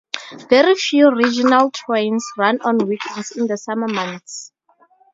Very few regional trains run on weekends in the summer months.